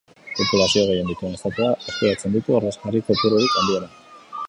Populazio gehien dituen estatuak eskuratzen ditu ordezkari kopururik handiena.